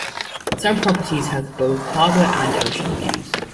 Some properties have both harbour and ocean views.